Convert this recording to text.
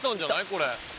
これ。